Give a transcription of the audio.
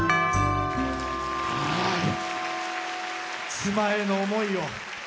妻への思いを。